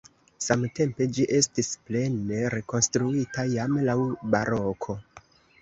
Samtempe ĝi estis plene rekonstruita jam laŭ baroko.